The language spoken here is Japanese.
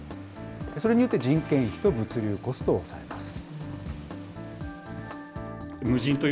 それによって人件費と物流コストを抑えます。